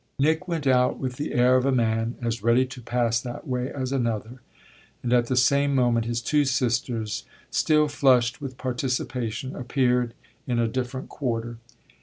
Nick went out with the air of a man as ready to pass that way as another, and at the same moment his two sisters, still flushed with participation, appeared in a different quarter.